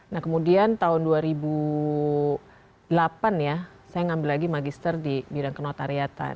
nah kemudian tahun dua ribu delapan ya saya ngambil lagi magister di bidang kenotariatan